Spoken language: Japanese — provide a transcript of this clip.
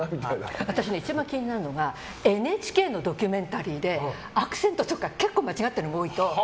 私、一番気になるのがＮＨＫのドキュメンタリーでアクセントとか結構間違ってるのが多いと。